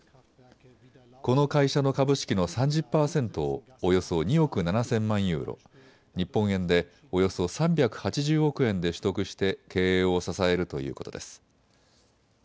この会社の株式の３０％をおよそ２億７０００万ユーロ、日本円でおよそ３８０億円で取得して経営を支えるということです。